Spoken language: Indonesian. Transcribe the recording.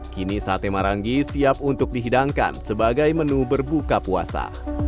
kini sate marangi siap untuk dihidangkan sebagai menu berbuka puasa